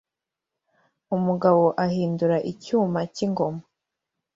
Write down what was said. Umugabo ahindura icyuma cyingoma